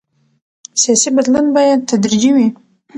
سیاسي بدلون باید تدریجي وي